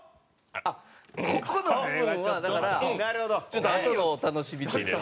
あっここの部分はだからちょっとあとのお楽しみというか。